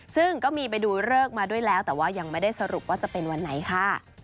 ซึ่งก็มีไปดูเลิกมาด้วยแล้วแต่ว่ายังไม่ได้สรุปว่าจะเป็นวันไหนค่ะ